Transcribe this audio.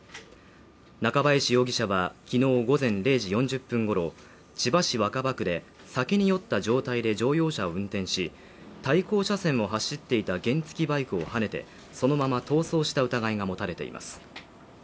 中林容疑者はきのう午前０時４０分ごろ、千葉市若葉区で酒に酔った状態で乗用車を運転し、対向車線を走っていた原付バイクをはねてそのまま逃走した疑いが持たれています。